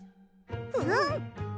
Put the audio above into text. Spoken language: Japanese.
うん！